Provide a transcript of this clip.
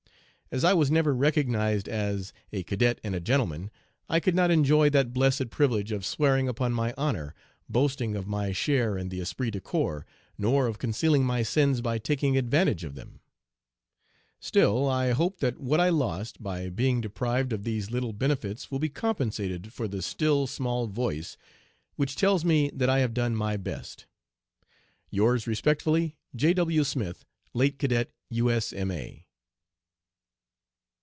As I was never recognized as 'a cadet and a gentleman,' I could not enjoy that blessed privilege of swearing 'upon my honor,' boasting of my share in the esprit de corps, nor of concealing my sins by taking advantage of them. Still, I hope that what I lost (?) by being deprived of these little benefits will be compensated for the 'still small voice,' which tells me that I have done my best. "Yours respectfully, "J. W. SMITH, "Late Cadet U.S.M.A."